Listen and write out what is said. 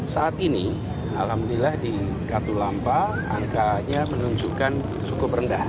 saat ini alhamdulillah di katulampa angkanya menunjukkan cukup rendah